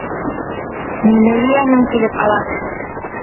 Мине ейәнем килеп ала.